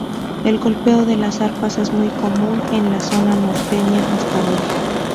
El golpeo de las arpas es muy común en la zona norteña hasta hoy.